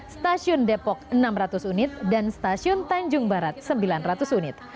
stasiun depok enam ratus unit dan stasiun tanjung barat sembilan ratus unit